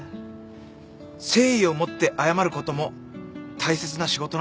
誠意を持って謝ることも大切な仕事なんだって。